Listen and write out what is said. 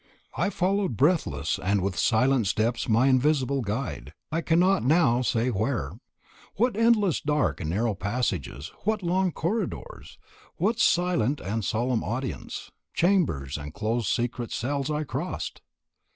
I followed breathless and with silent steps my invisible guide I cannot now say where. What endless dark and narrow passages, what long corridors, what silent and solemn audience chambers and close secret cells I crossed!